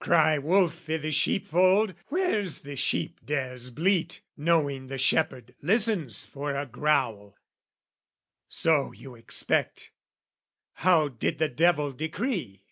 "Cry 'wolf' i' the sheepfold, where's the sheep dares bleat, "Knowing the shepherd listens for a growl?" So you expect. How did the devil decree?